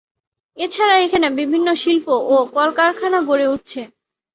এছাড়া এখানে বিভিন্ন শিল্প ও কল-কারখানা গড়ে উঠছে।